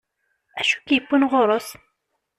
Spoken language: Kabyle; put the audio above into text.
Acu ik-yewwin ɣur-s?